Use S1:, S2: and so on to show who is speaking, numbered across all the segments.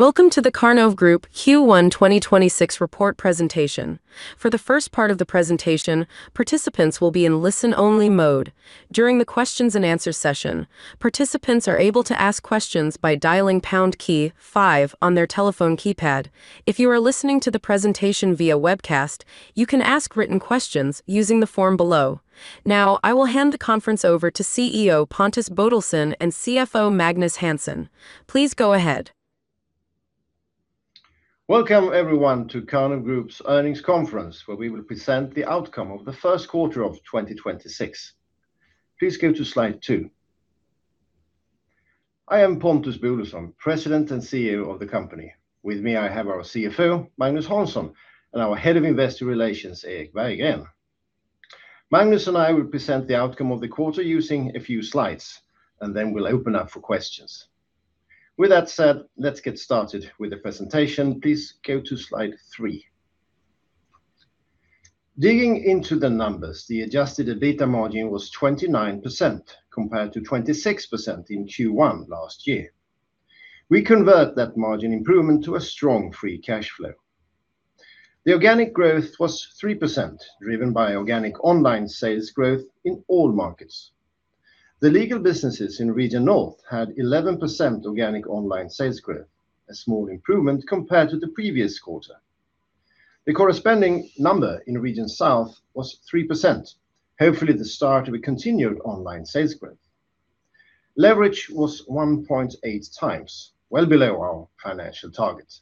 S1: Welcome to the Karnov Group Q1 2026 report presentation. For the first part of the presentation, participants will be in listen-only mode. During the questions-and-answer session, participants are able to ask questions by dialing pound key five on their telephone keypad. If you are listening to the presentation via webcast, you can ask written questions using the form below. Now, I will hand the conference over to CEO Pontus Bodelsson and CFO Magnus Hansson. Please go ahead.
S2: Welcome, everyone, to Karnov Group's earnings conference, where we will present the outcome of the first quarter of 2026. Please go to slide two. I am Pontus Bodelsson, President and CEO of the company. With me, I have our CFO, Magnus Hansson, and our Head of Investor Relations, Erik Berggren. Magnus and I will present the outcome of the quarter using a few slides, and then we'll open up for questions. With that said, let's get started with the presentation. Please go to slide three. Digging into the numbers, the adjusted EBITDA margin was 29%, compared to 26% in Q1 last year. We convert that margin improvement to a strong free cash flow. The organic growth was 3%, driven by organic online sales growth in all markets. The legal businesses in Region North had 11% organic online sales growth, a small improvement compared to the previous quarter. The corresponding number in Region South was 3%. Hopefully, the start of a continued online sales growth. Leverage was 1.8x, well below our financial target.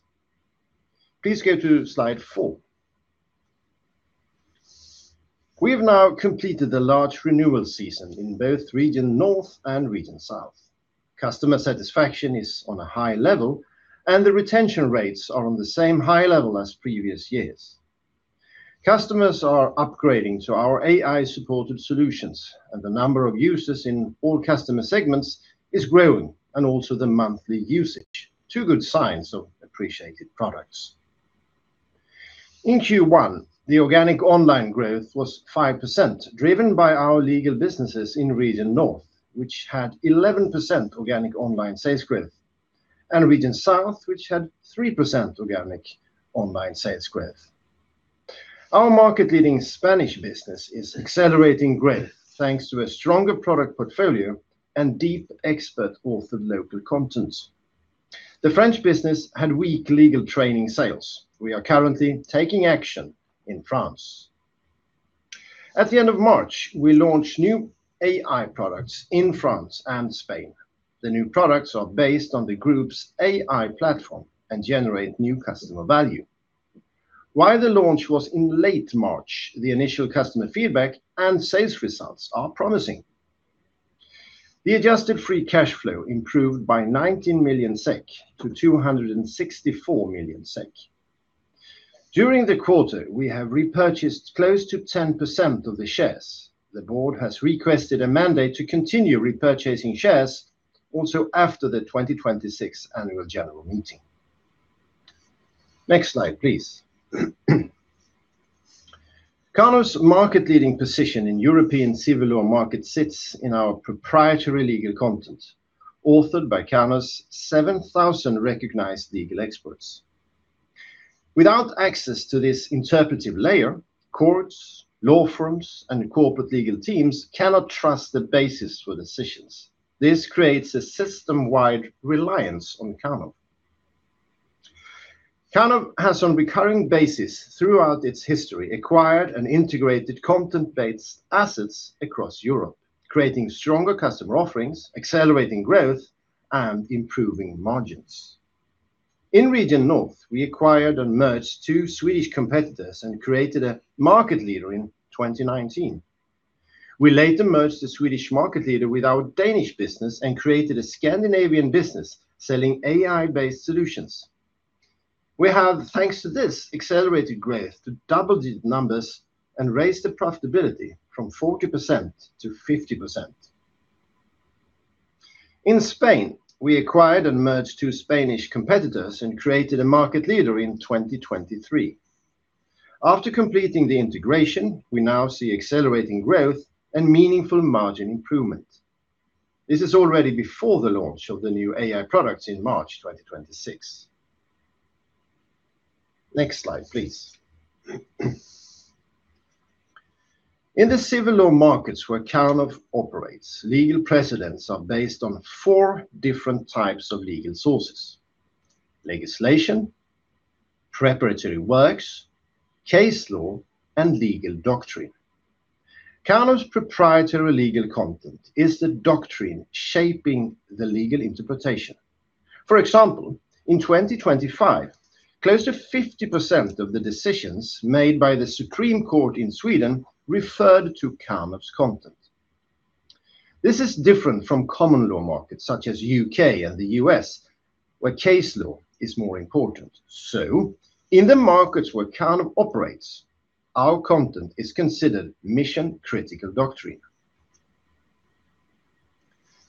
S2: Please go to slide four. We have now completed the large renewal season in both Region North and Region South. Customer satisfaction is on a high level, and the retention rates are on the same high level as previous years. Customers are upgrading to our AI-supported solutions, and the number of users in all customer segments is growing, and also the monthly usage. Two good signs of appreciated products. In Q1, the organic online growth was 5%, driven by our legal businesses in Region North, which had 11% organic online sales growth, and Region South, which had 3% organic online sales growth. Our market-leading Spanish business is accelerating growth thanks to a stronger product portfolio and deep expert-authored local content. The French business had weak legal training sales. We are currently taking action in France. At the end of March, we launched new AI products in France and Spain. The new products are based on the group's AI platform and generate new customer value. While the launch was in late March, the initial customer feedback and sales results are promising. The adjusted free cash flow improved by 19 million SEK to 264 million SEK. During the quarter, we have repurchased close to 10% of the shares. The board has requested a mandate to continue repurchasing shares also after the 2026 annual general meeting. Next slide, please. Karnov's market-leading position in European civil law market sits in our proprietary legal content, authored by Karnov's 7,000 recognized legal experts. Without access to this interpretive layer, courts, law firms, and corporate legal teams cannot trust the basis for decisions. This creates a system-wide reliance on Karnov. Karnov has on recurring basis throughout its history acquired and integrated content-based assets across Europe, creating stronger customer offerings, accelerating growth, and improving margins. In Region North, we acquired and merged two Swedish competitors and created a market leader in 2019. We later merged the Swedish market leader with our Danish business and created a Scandinavian business selling AI-based solutions. We have, thanks to this, accelerated growth to double-digit numbers and raised the profitability from 40% to 50%. In Spain, we acquired and merged two Spanish competitors and created a market leader in 2023. After completing the integration, we now see accelerating growth and meaningful margin improvement. This is already before the launch of the new AI products in March 2026. Next slide, please. In the civil law markets where Karnov operates, legal precedents are based on four different types of legal sources: legislation, preparatory works, case law, and legal doctrine. Karnov's proprietary legal content is the doctrine shaping the legal interpretation. For example, in 2025, close to 50% of the decisions made by the Supreme Court of Sweden referred to Karnov's content. This is different from common law markets such as U.K. and the U.S., where case law is more important. In the markets where Karnov operates, our content is considered mission-critical doctrine.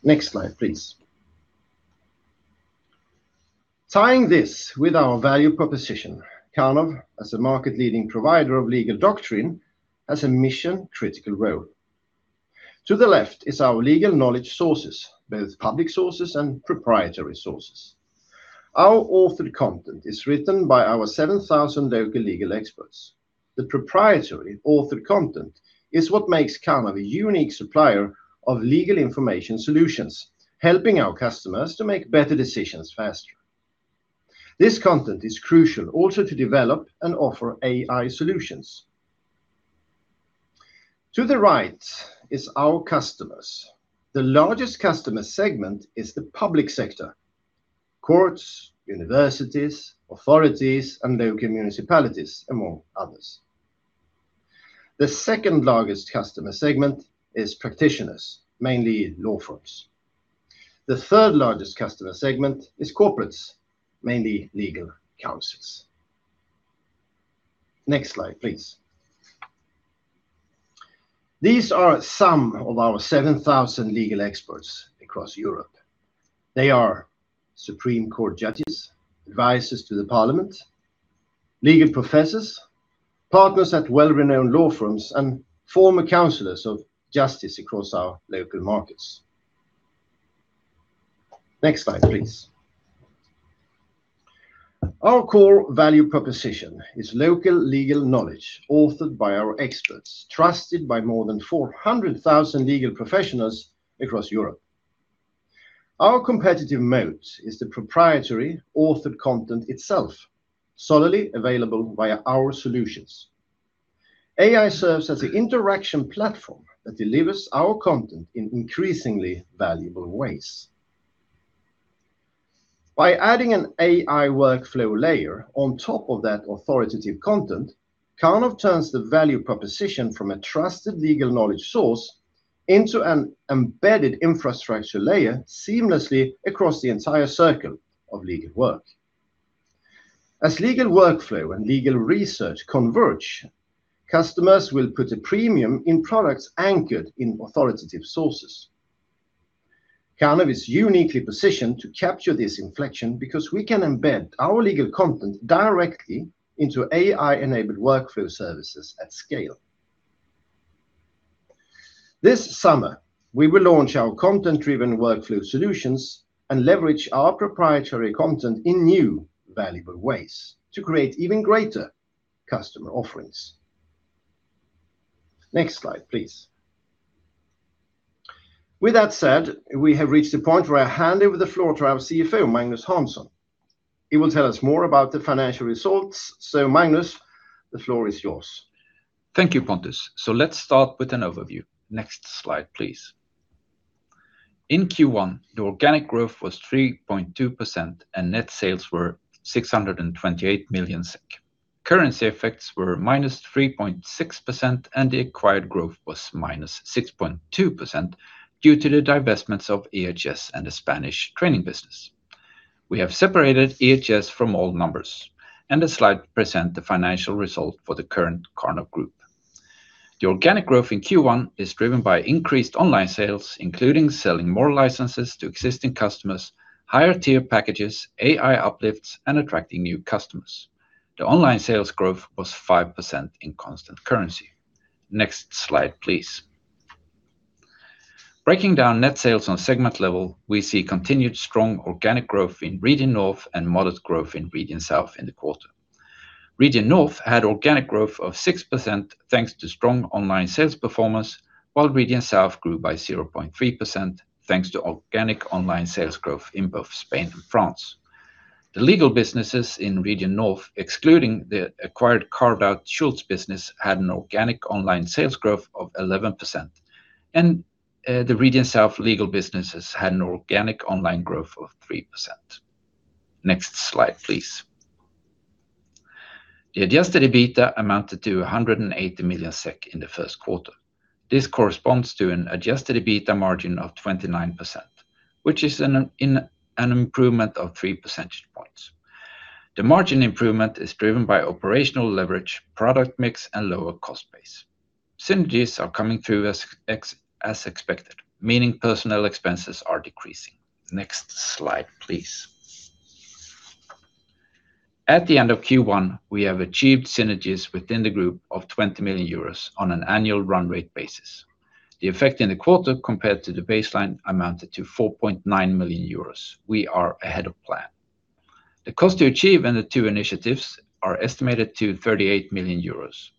S2: Next slide, please. Tying this with our value proposition, Karnov, as a market leading provider of legal doctrine, has a mission-critical role. To the left is our legal knowledge sources, both public sources and proprietary sources. Our authored content is written by our 7,000 local legal experts. The proprietary authored content is what makes Karnov a unique supplier of legal information solutions, helping our customers to make better decisions faster. This content is crucial also to develop and offer AI solutions. To the right is our customers. The largest customer segment is the public sector: courts, universities, authorities, and local municipalities, among others. The second-largest customer segment is practitioners, mainly law firms. The third-largest customer segment is corporates, mainly legal counsels. Next slide, please. These are some of our 7,000 legal experts across Europe. They are Supreme Court judges, advisors to the Parliament, legal professors, partners at well-renowned law firms, and former counselors of justice across our local markets. Next slide, please. Our core value proposition is local legal knowledge authored by our experts, trusted by more than 400,000 legal professionals across Europe. Our competitive moat is the proprietary authored content itself, solely available via our solutions. AI serves as the interaction platform that delivers our content in increasingly valuable ways. By adding an AI workflow layer on top of that authoritative content, Karnov turns the value proposition from a trusted legal knowledge source into an embedded infrastructure layer seamlessly across the entire circle of legal work. As legal workflow and legal research converge, customers will put a premium in products anchored in authoritative sources. Karnov is uniquely positioned to capture this inflection because we can embed our legal content directly into AI-enabled workflow services at scale. This summer, we will launch our content-driven workflow solutions and leverage our proprietary content in new valuable ways to create even greater customer offerings. Next slide, please. With that said, we have reached the point where I hand over the floor to our CFO, Magnus Hansson. He will tell us more about the financial results. Magnus, the floor is yours.
S3: Thank you, Pontus. Let's start with an overview. Next slide, please. In Q1, the organic growth was 3.2% and net sales were 628 million SEK. Currency effects were -3.6% and the acquired growth was -6.2% due to the divestments of EHS and the Spanish training business. We have separated EHS from all numbers, and the slide present the financial result for the current Karnov Group. The organic growth in Q1 is driven by increased online sales, including selling more licenses to existing customers, higher tier packages, AI uplifts, and attracting new customers. The online sales growth was 5% in constant currency. Next slide, please. Breaking down net sales on segment level, we see continued strong organic growth in Region North and modest growth in Region South in the quarter. Region North had organic growth of 6% thanks to strong online sales performance, while Region South grew by 0.3% thanks to organic online sales growth in both Spain and France. The legal businesses in Region North, excluding the acquired carved out Schultz business, had an organic online sales growth of 11%, and the Region South legal businesses had an organic online growth of 3%. Next slide, please. The adjusted EBITDA amounted to 180 million SEK in the first quarter. This corresponds to an adjusted EBITDA margin of 29%, which is an improvement of 3 percentage points. The margin improvement is driven by operational leverage, product mix, and lower cost base. Synergies are coming through as expected, meaning personnel expenses are decreasing. Next slide, please. At the end of Q1, we have achieved synergies within the group of 20 million euros on an annual run rate basis. The effect in the quarter compared to the baseline amounted to 49 million euros. We are ahead of plan. The cost to achieve and the two initiatives are estimated to 38 million euros.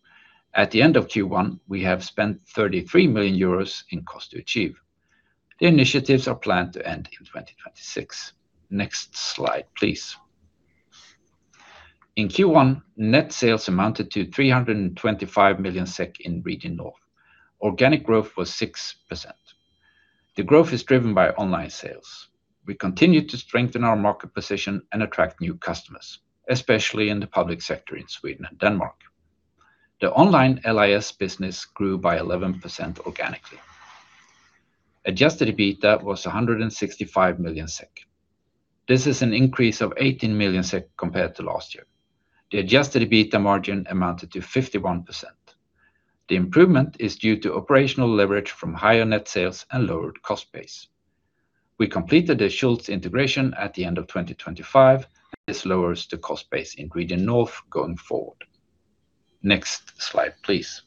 S3: At the end of Q1, we have spent 33 million euros in cost to achieve. The initiatives are planned to end in 2026. Next slide, please. In Q1, net sales amounted to 325 million SEK in Region North. Organic growth was 6%. The growth is driven by online sales. We continue to strengthen our market position and attract new customers, especially in the public sector in Sweden and Denmark. The online LIS business grew by 11% organically. Adjusted EBITDA was 165 million SEK. This is an increase of 18 million SEK compared to last year. The adjusted EBITDA margin amounted to 51%. The improvement is due to operational leverage from higher net sales and lowered cost base. We completed the Schultz integration at the end of 2025. This lowers the cost base in Region North going forward. Next slide, please.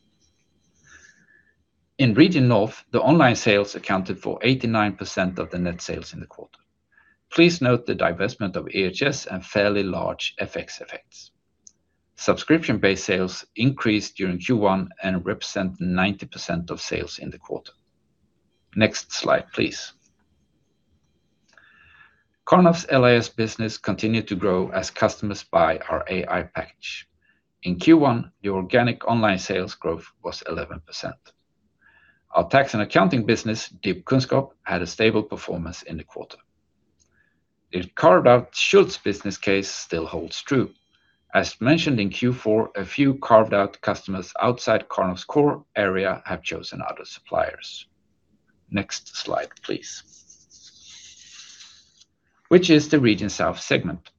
S3: In Region North, the online sales accounted for 89% of the net sales in the quarter. Please note the divestment of EHS and fairly large FX effects. Subscription-based sales increased during Q1 and represent 90% of sales in the quarter. Next slide, please. Karnov's LIS business continued to grow as customers buy our AI package. In Q1, the organic online sales growth was 11%. Our tax and accounting business, DIBkunnskap had a stable performance in the quarter. The carved-out Schultz business case still holds true. As mentioned in Q4, a few carved-out customers outside Karnov's core area have chosen other suppliers. Next slide, please. Which is the Region South segment.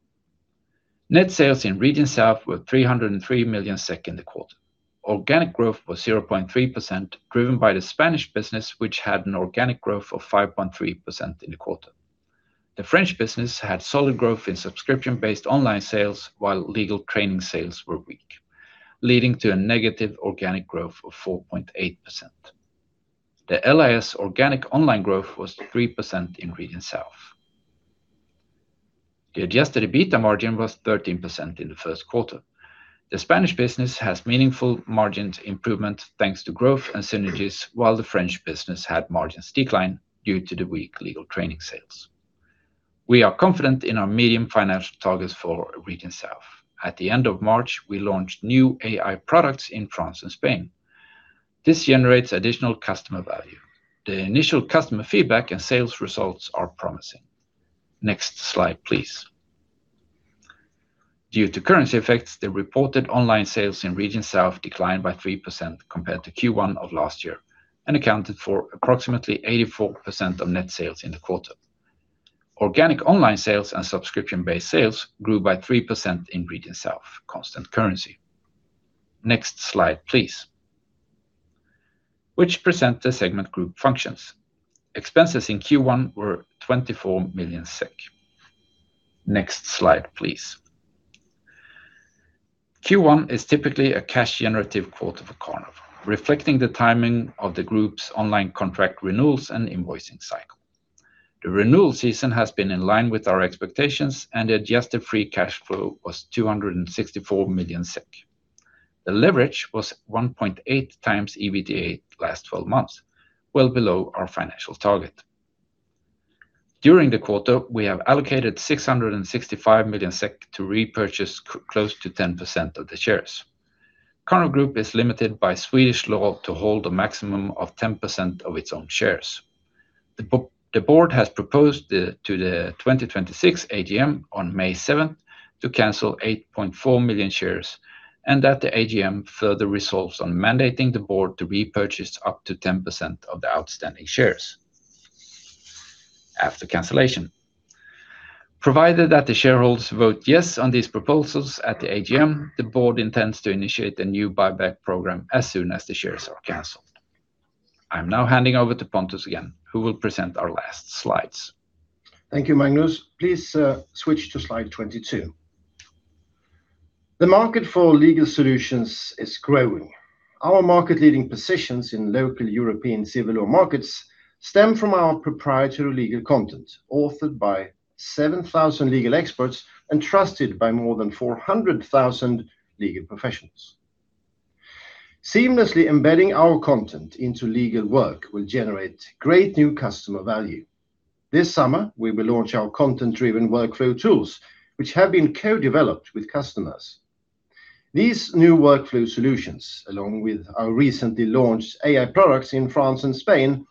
S3: Net sales in Region South were 303 million in the quarter. Organic growth was 0.3%, driven by the Spanish business, which had an organic growth of 5.3% in the quarter. The French business had solid growth in subscription-based online sales, while legal training sales were weak, leading to a negative organic growth of 4.8%. The LIS organic online growth was 3% in Region South. The adjusted EBITDA margin was 13% in the first quarter. The Spanish business has meaningful margins improvement thanks to growth and synergies, while the French business had margins decline due to the weak legal training sales. We are confident in our medium financial targets for Region South. At the end of March, we launched new AI products in France and Spain. This generates additional customer value. The initial customer feedback and sales results are promising. Next slide, please. Due to currency effects, the reported online sales in Region South declined by 3% compared to Q1 of last year and accounted for approximately 84% of net sales in the quarter. Organic online sales and subscription-based sales grew by 3% in Region South, constant currency. Next slide, please. Which present the segment group functions. Expenses in Q1 were 24 million SEK. Next slide, please. Q1 is typically a cash generative quarter for Karnov, reflecting the timing of the group's online contract renewals and invoicing cycle. The renewal season has been in line with our expectations, and the adjusted free cash flow was 264 million SEK. The leverage was 1.8x EBITDA last 12 months, well below our financial target. During the quarter, we have allocated 665 million SEK to repurchase close to 10% of the shares. Karnov Group is limited by Swedish law to hold a maximum of 10% of its own shares. The board has proposed the, to the 2026 AGM on May 7 to cancel 8.4 million shares, and that the AGM further resolves on mandating the board to repurchase up to 10% of the outstanding shares after cancellation. Provided that the shareholders vote yes on these proposals at the AGM, the board intends to initiate a new buyback program as soon as the shares are canceled. I am now handing over to Pontus again, who will present our last slides.
S2: Thank you, Magnus. Please switch to slide 22. The market for legal solutions is growing. Our market leading positions in local European civil law markets stem from our proprietary legal content, authored by 7,000 legal experts and trusted by more than 400,000 legal professionals. Seamlessly embedding our content into legal work will generate great new customer value. This summer, we will launch our content-driven workflow tools, which have been co-developed with customers. These new workflow solutions, along with our recently launched AI products in France and Spain,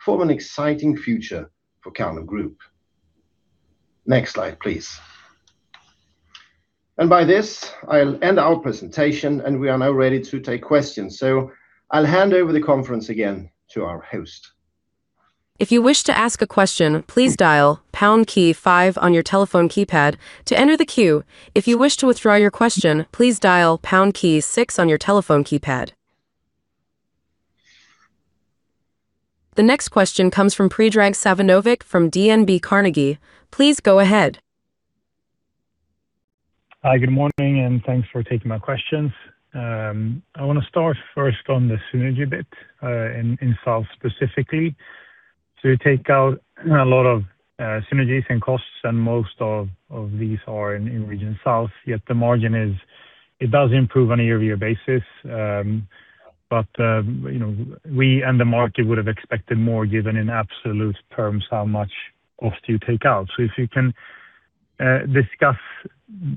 S2: form an exciting future for Karnov Group. Next slide, please. By this, I'll end our presentation, and we are now ready to take questions. I'll hand over the conference again to our host.
S1: The next question comes from Predrag Savinovic from DNB Carnegie. Please go ahead.
S4: Hi, good morning, and thanks for taking my questions. I wanna start first on the synergy bit, in Region South specifically. You take out a lot of synergies and costs, and most of these are in Region South, yet the margin It does improve on a year-over-year basis, but, you know, we and the market would have expected more given in absolute terms how much cost you take out. If you can, discuss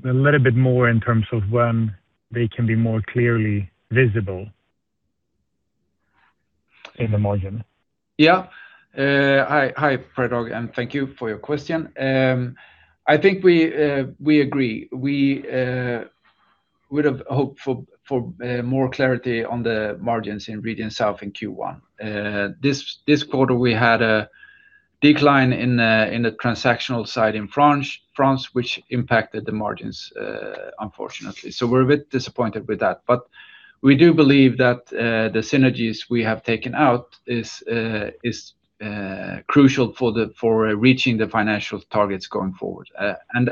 S4: a little bit more in terms of when they can be more clearly visible in the margin.
S3: Hi Predrag, thank you for your question. I think we agree. We would have hoped for more clarity on the margins in Region South in Q1. This quarter we had a decline in the transactional side in France, which impacted the margins unfortunately. We're a bit disappointed with that. We do believe that the synergies we have taken out is crucial for reaching the financial targets going forward.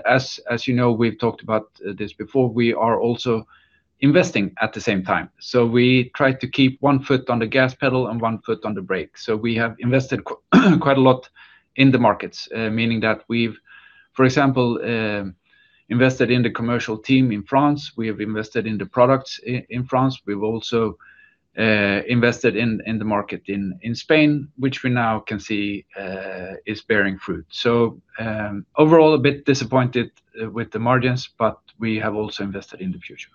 S3: As you know, we've talked about this before, we are also investing at the same time. We try to keep one foot on the gas pedal and one foot on the brake. We have invested quite a lot in the markets, meaning that we've, for example, invested in the commercial team in France. We have invested in the products in France. We've also invested in the market in Spain, which we now can see is bearing fruit. Overall, a bit disappointed with the margins, but we have also invested in the future.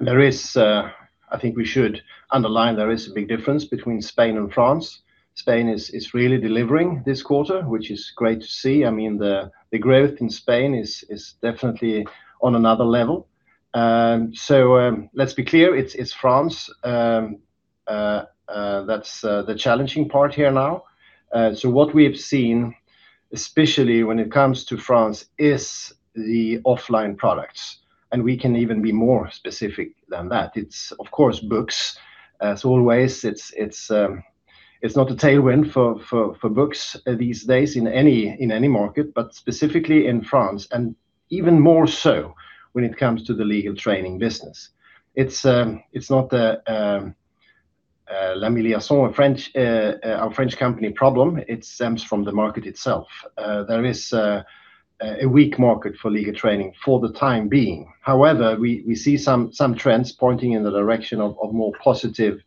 S2: There is, I think we should underline, there is a big difference between Spain and France. Spain is really delivering this quarter, which is great to see. I mean, the growth in Spain is definitely on another level. Let's be clear, it's France that's the challenging part here now. What we have seen, especially when it comes to France, is the offline products, and we can even be more specific than that. It's of course, books, as always. It's not a tailwind for books these days in any market, but specifically in France, and even more so when it comes to the legal training business. It's not the Lamy Liaisons, a French company problem. It stems from the market itself. There is a weak market for legal training for the time being. However, we see some trends pointing in the direction of more positive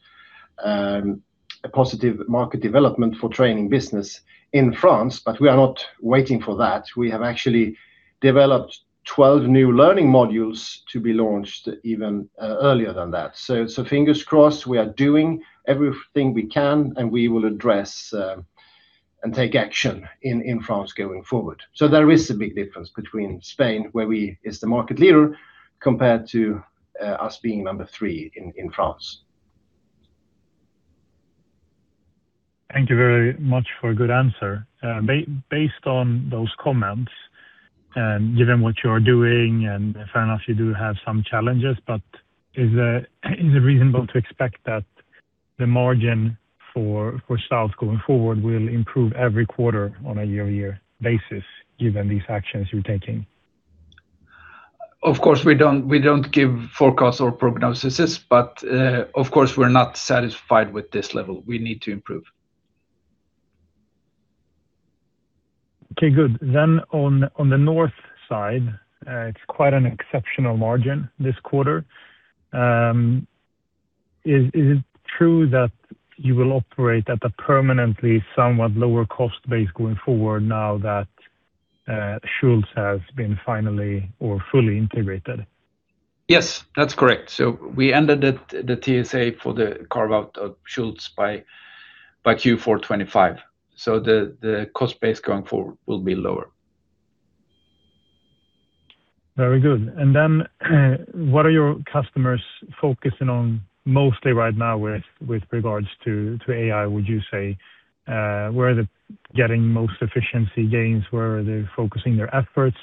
S2: a positive market development for training business in France, we are not waiting for that. We have actually developed 12 new learning modules to be launched even earlier than that. Fingers crossed we are doing everything we can, and we will address and take action in France going forward. There is a big difference between Spain, where we is the market leader, compared to us being number three in France.
S4: Thank you very much for a good answer. Based on those comments, given what you are doing, and fair enough, you do have some challenges, but is it reasonable to expect that the margin for South going forward will improve every quarter on a year-to-year basis given these actions you're taking?
S2: Of course, we don't give forecasts or prognoses, but, of course, we're not satisfied with this level. We need to improve.
S4: Okay, good. On the North side, it's quite an exceptional margin this quarter. Is it true that you will operate at a permanently somewhat lower cost base going forward now that Schultz has been finally or fully integrated?
S3: Yes, that's correct. We ended the TSA for the carve-out of Schultz by Q4 2025. The cost base going forward will be lower.
S4: Very good. What are your customers focusing on mostly right now with regards to AI, would you say? Where are they getting most efficiency gains? Where are they focusing their efforts?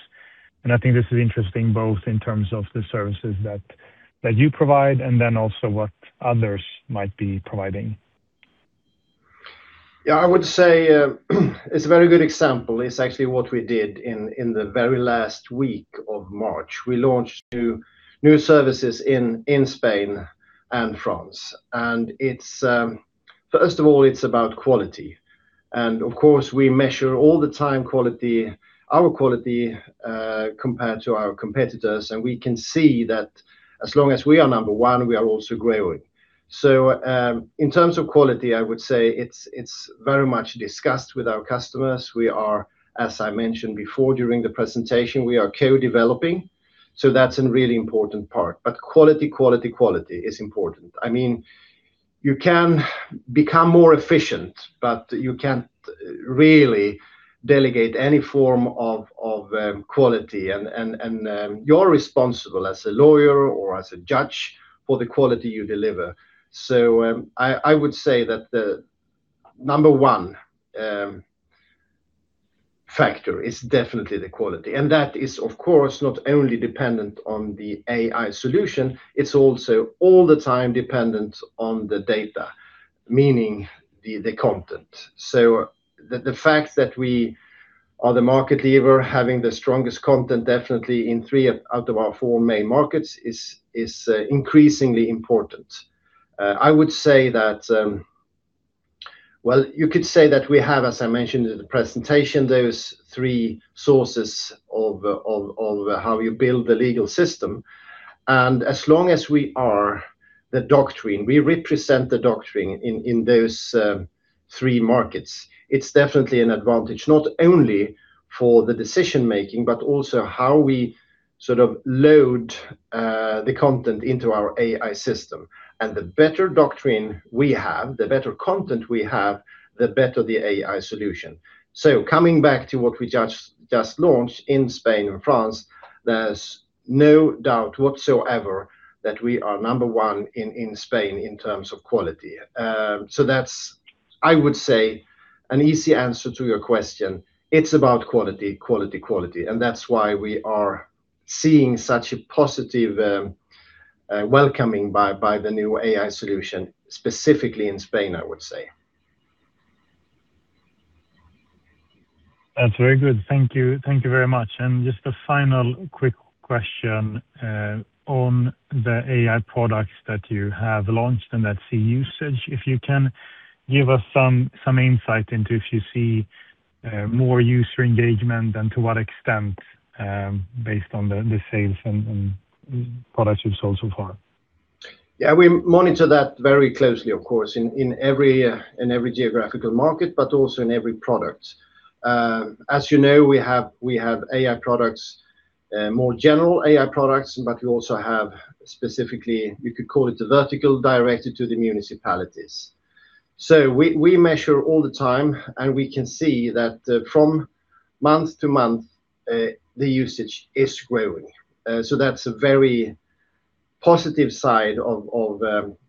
S4: I think this is interesting both in terms of the services that you provide and then also what others might be providing.
S2: Yeah, I would say, it's a very good example. It's actually what we did in the very last week of March. We launched new services in Spain and France. First of all, it's about quality. Of course, we measure all the time quality, our quality, compared to our competitors, and we can see that as long as we are number one, we are also growing. In terms of quality, I would say it's very much discussed with our customers. We are, as I mentioned before during the presentation, we are co-developing, that's a really important part. Quality, quality is important. I mean, you can become more efficient, but you can't really delegate any form of quality and you're responsible as a lawyer or as a judge for the quality you deliver. I would say that the number one factor is definitely the quality. That is, of course, not only dependent on the AI solution, it's also all the time dependent on the data, meaning the content. The fact that we are the market leader, having the strongest content definitely in three out of our four main markets is increasingly important. I would say that, well, you could say that we have, as I mentioned in the presentation, those three sources of how you build the legal system. As long as we are the doctrine, we represent the doctrine in those three markets. It's definitely an advantage, not only for the decision-making, but also how we sort of load the content into our AI system. The better doctrine we have, the better content we have, the better the AI solution. Coming back to what we just launched in Spain and France, there's no doubt whatsoever that we are number one in Spain in terms of quality. That's, I would say, an easy answer to your question. It's about quality, quality, and that's why we are seeing such a positive welcoming by the new AI solution, specifically in Spain, I would say.
S4: That's very good. Thank you. Thank you very much. Just a final quick question on the AI products that you have launched and that see usage. If you can give us some insight into if you see more user engagement and to what extent, based on the sales and products you've sold so far?
S2: Yeah. We monitor that very closely, of course, in every geographical market, but also in every product. As you know, we have AI products, more general AI products, but we also have specifically, you could call it the vertical directed to the municipalities. We measure all the time, and we can see that from month to month, the usage is growing. That's a very positive side of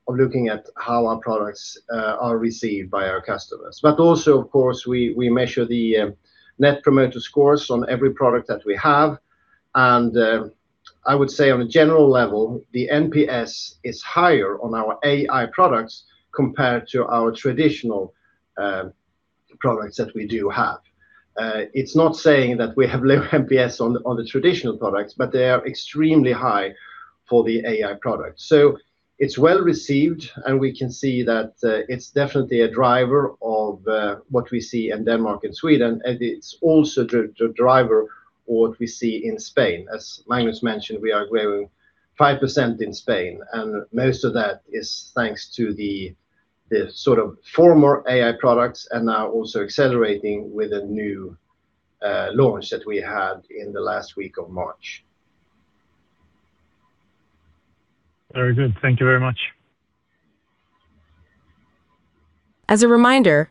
S2: looking at how our products are received by our customers. Also, of course, we measure the Net Promoter Scores on every product that we have. I would say on a general level, the NPS is higher on our AI products compared to our traditional products that we do have. It's not saying that we have low NPS on the, on the traditional products, but they are extremely high for the AI product. It's well-received, and we can see that it's definitely a driver of what we see in Denmark and Sweden, and it's also the driver of what we see in Spain. As Magnus mentioned, we are growing 5% in Spain, and most of that is thanks to the sort of former AI products and now also accelerating with a new launch that we had in the last week of March.
S4: Very good. Thank you very much.
S1: The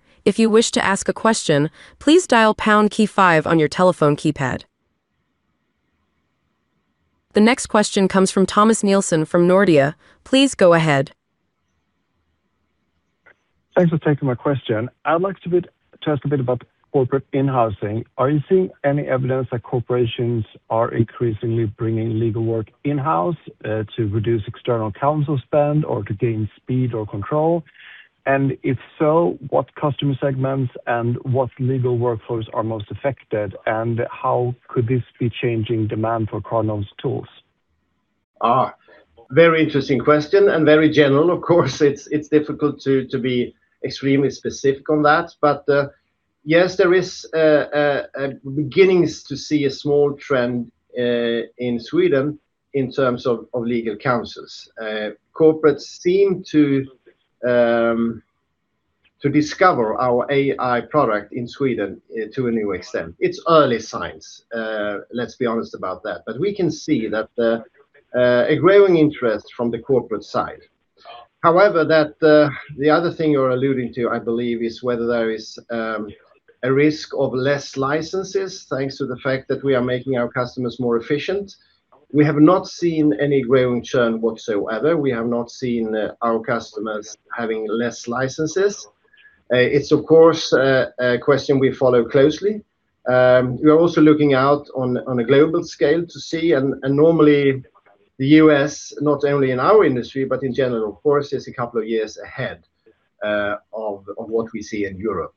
S1: next question comes from Thomas Nilsson from Nordea. Please go ahead.
S5: Thanks for taking my question. I'd like to ask a bit about corporate in-housing. Are you seeing any evidence that corporations are increasingly bringing legal work in-house to reduce external counsel spend or to gain speed or control? If so, what customer segments and what legal workflows are most affected, and how could this be changing demand for Karnov's tools?
S2: Very interesting question, very general. Of course, it's difficult to be extremely specific on that. Yes, there is a beginning to see a small trend in Sweden in terms of legal counsels. Corporates seem to discover our AI product in Sweden to a new extent. It's early signs, let's be honest about that. We can see that a growing interest from the corporate side. However, that the other thing you're alluding to, I believe, is whether there is a risk of less licenses, thanks to the fact that we are making our customers more efficient. We have not seen any growing churn whatsoever. We have not seen our customers having less licenses. It's of course a question we follow closely. We are also looking out on a global scale to see. Normally the U.S., not only in our industry, but in general, of course, is a couple of years ahead of what we see in Europe.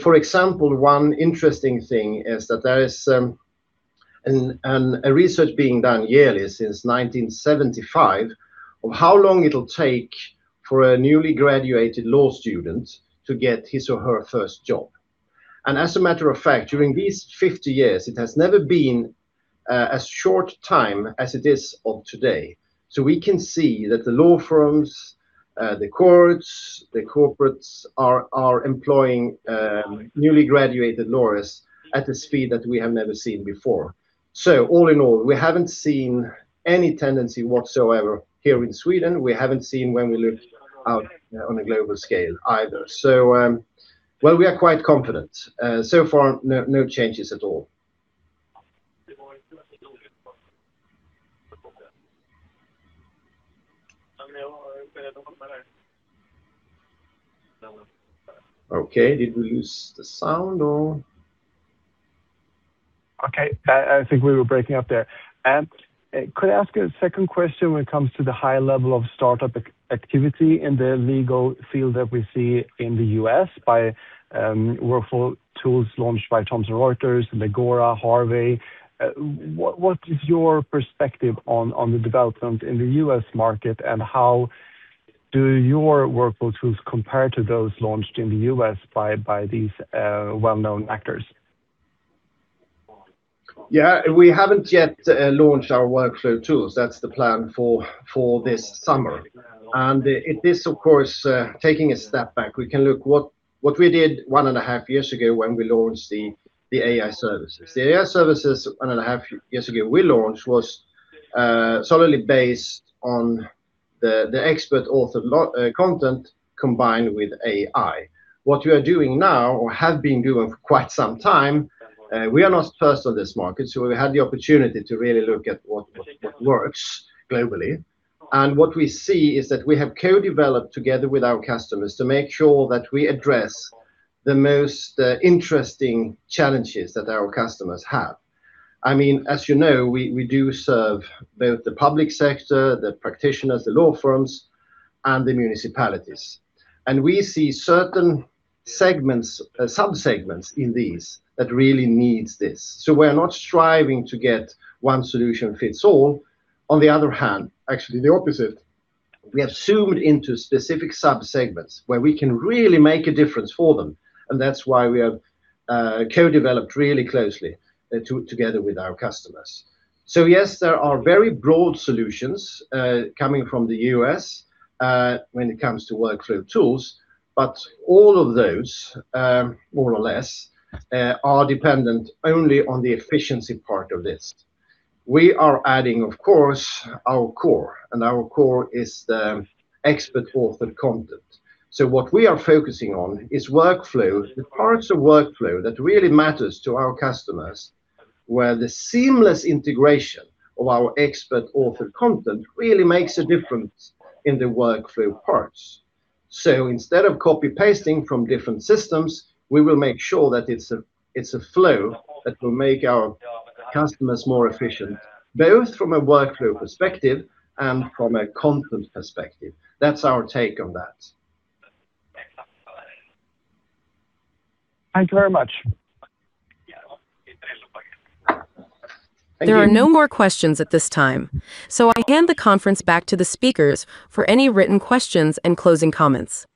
S2: For example, one interesting thing is that there is a research being done yearly since 1975 of how long it will take for a newly graduated law student to get his or her first job. As a matter of fact, during these 50 years, it has never been as short time as it is of today. We can see that the law firms, the courts, the corporates are employing newly graduated lawyers at a speed that we have never seen before. All in all, we haven't seen any tendency whatsoever here in Sweden. We haven't seen when we looked out on a global scale either. Well, we are quite confident. So far, no changes at all. Okay. Did we lose the sound or?
S5: Okay. I think we were breaking up there. Could I ask a second question when it comes to the high level of startup activity in the legal field that we see in the U.S. by workflow tools launched by Thomson Reuters, Legora, Harvey? What is your perspective on the development in the U.S. market, and how do your workflow tools compare to those launched in the U.S. by these well-known actors?
S2: Yeah, we haven't yet launched our workflow tools. That's the plan for this summer. It is of course taking a step back. We can look what we did one and a half years ago when we launched the AI services. The AI services one and a half years ago we launched was solely based on the expert authored content combined with AI. What we are doing now, or have been doing for quite some time, we are not first on this market, we had the opportunity to really look at what works globally. What we see is that we have co-developed together with our customers to make sure that we address the most interesting challenges that our customers have. I mean, as you know, we do serve both the public sector, the practitioners, the law firms, and the municipalities. We see certain segments, sub-segments in these that really needs this. We're not striving to get one solution fits all. On the other hand, actually the opposite, we have zoomed into specific sub-segments where we can really make a difference for them. That's why we have co-developed really closely together with our customers. Yes, there are very broad solutions coming from the U.S. when it comes to workflow tools. All of those, more or less, are dependent only on the efficiency part of this. We are adding, of course, our core. Our core is the expert authored content. What we are focusing on is workflow, the parts of workflow that really matters to our customers, where the seamless integration of our expert authored content really makes a difference in the workflow parts. Instead of copy-pasting from different systems, we will make sure that it's a flow that will make our customers more efficient, both from a workflow perspective and from a content perspective. That's our take on that.
S5: Thank you very much.
S1: There are no more questions at this time, so I hand the conference back to the speakers for any written questions and closing comments.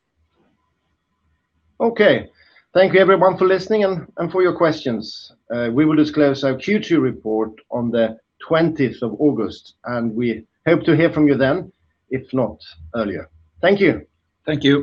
S2: Okay. Thank you everyone for listening and for your questions. We will disclose our Q2 report on the 20th of August. We hope to hear from you then, if not earlier. Thank you.
S6: Thank you.